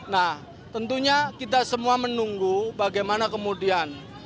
nah tentunya kita semua menunggu bagaimana kemudian